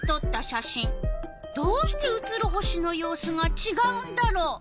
どうして写る星の様子がちがうんだろう？